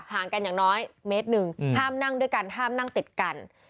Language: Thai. ห่างกันอย่างน้อยเมตรหนึ่งห้ามนั่งด้วยกันห้ามนั่งติดกัน